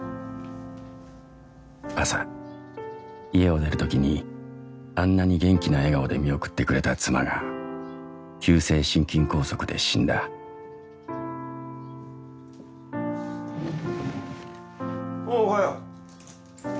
朝家を出る時にあんなに元気な笑顔で見送ってくれた妻が急性心筋梗塞で死んだおうおはよう